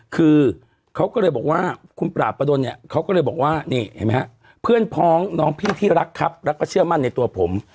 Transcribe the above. คือเขาก็เลยบอกว่าคุณปราบประดนเนี่ยเขาก็เลยบอกว่านี่เห็นไหมฮะเพื่อนพ้องน้องพี่ที่รักครับแล้วก็เชื่อมั่นในตัวผม